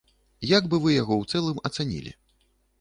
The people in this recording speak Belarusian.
Як бы вы яго ў цэлым ацанілі?